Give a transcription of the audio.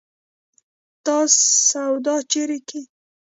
ته سودا چيري کيې؟